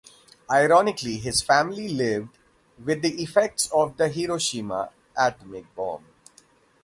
Ironically his family lived with the effects of the Hiroshima atomic bomb.